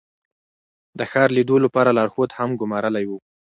د ښار لیدو لپاره لارښود هم ګمارلی و.